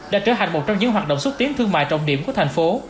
đã trở thành một trong những hoạt động xúc tiến thương mại trọng điểm của thành phố